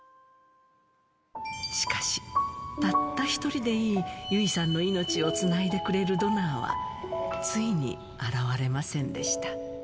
しかし、たった一人でいい、優生さんの命をつないでくれるドナーは、ついに現れませんでした。